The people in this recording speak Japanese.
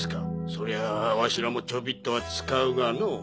そりゃわしらもちょびっとは使うがのう。